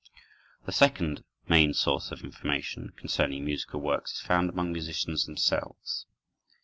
The second main source of information concerning musical works is found among musicians themselves.